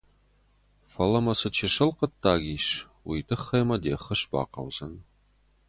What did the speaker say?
Фӕлӕ мӕ цы чысыл хъуыддаг ис, уый тыххӕй мӕ де ’ххуыс бахъӕудзӕн.